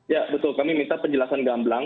ya betul kami minta penjelasan gamblang